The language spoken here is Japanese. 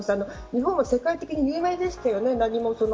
日本は世界的に有名でしたよね。